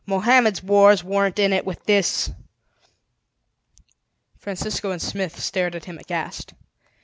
Mohammed's wars weren't in it with this!" Francisco and Smith stared at him aghast.